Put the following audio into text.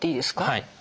はい。